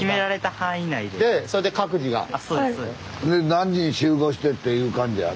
何時に集合してっていう感じ？